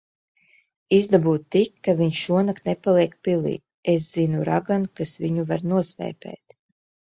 Izdabū tik, ka viņš šonakt nepaliek pilī. Es zinu raganu, kas viņu var nosvēpēt.